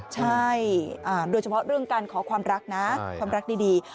ใช่โดยเฉพาะเรื่องการขอความรักนะความรักดี